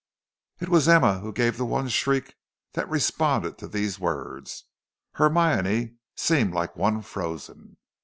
It was Emma who gave the one shriek that responded to these words. Hermione seemed like one frozen.